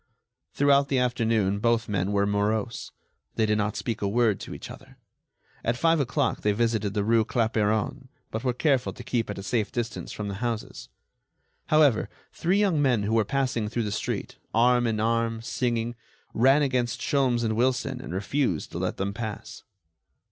Throughout the afternoon both men were morose. They did not speak a word to each other. At five o'clock they visited the rue Clapeyron, but were careful to keep at a safe distance from the houses. However, three young men who were passing through the street, arm in arm, singing, ran against Sholmes and Wilson and refused to let them pass.